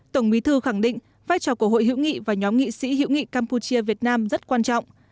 tổng bí thư khẳng định vai trò của hội hữu nghị và nhóm nghị sĩ hữu nghị campuchia việt nam rất quan trọng